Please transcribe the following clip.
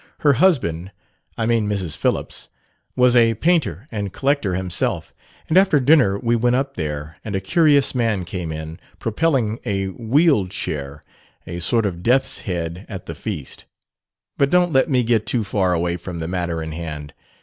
Her husband I mean Mrs. Phillips' was a painter and collector himself; and after dinner we went up there, and a curious man came in, propelling a wheeled chair a sort of death's head at the feast.... But don't let me get too far away from the matter in hand.